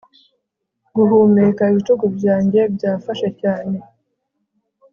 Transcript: guhumeka. ibitugu byanjye byafashe cyane